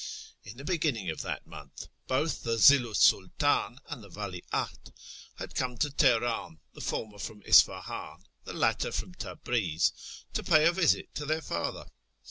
In the beginning of that month l3oth the Zillu 's Sidtdn and the Vali ahd had come to Teheran, the former from Isfahan, the latter from Tabriz, to pay a visit to their father.